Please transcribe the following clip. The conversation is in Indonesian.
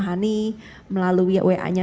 hani melalui wa nya